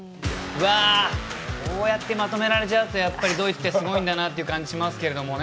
こうやってまとめられちゃうとやっぱりドイツってすごいんだなという感じがしますが。